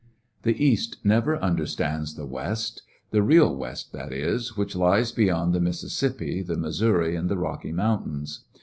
'^ The East never understands the West — the /nm'ndbk real West, that is, which lies beyond the Mis sissippi, the Missouri, and the Kocky Moun tains.